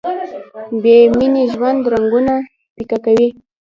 بې مینې ژوند رنګونه پیکه کوي.